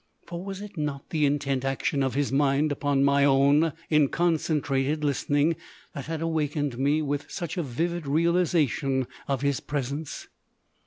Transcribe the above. For was it not the intent action of his mind upon my own, in concentrated listening, that had awakened me with such a vivid realisation of his presence?